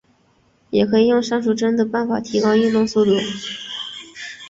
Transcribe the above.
也可以用删除帧的办法提高运动速度。